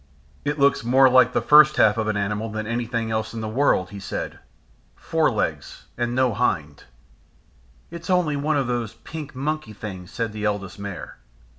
"It looks more like the first half of an animal than anything else in the world," he said. "Fore legs and no hind." "It's only one of those pink monkey things," said the Eldest Mare.